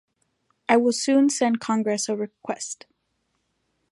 I will soon send Congress a request.